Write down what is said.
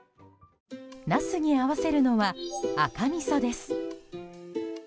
ナスに合わせるのは赤みそです。